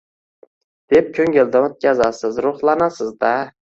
deb ko‘ngildan o‘tkazasiz, ruhlanasiz-da!